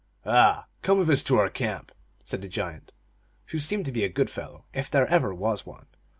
"Ah, come with us to our camp," said the giant, who seemed to be a good fellow, if there ever was one.